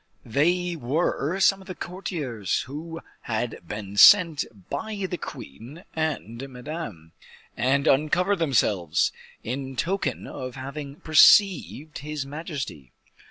They were some of the courtiers who had been sent by the queen and Madame, and uncovered themselves, in token of having perceived his majesty.